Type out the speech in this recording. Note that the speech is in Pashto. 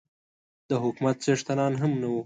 د حکومت څښتنان هم نه وو.